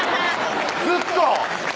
ずっと！